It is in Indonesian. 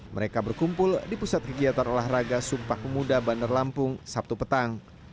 mereka berkumpul di pusat kegiatan olahraga sumpah pemuda bandar lampung sabtu petang